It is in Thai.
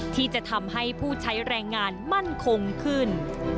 ที่จะทำให้ผู้ใช้แรงงานมั่นคงขึ้น